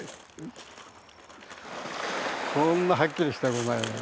こんなはっきりしたものないよね。